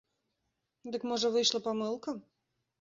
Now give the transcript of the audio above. Дык можа, выйшла памылка?